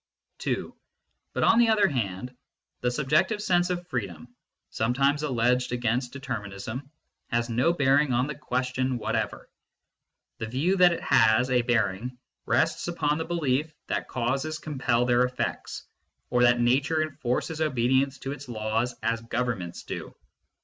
(2) But, on the other hand, the subjective sense oi freedom, sometimes alleged against determinism, has no bearing on the question whatever. The view that it has a bearing rests upon the belief that causes compel their effects, or that nature enforces obedience to its laws as governments do.